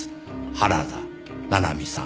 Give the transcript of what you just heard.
原田七海さん。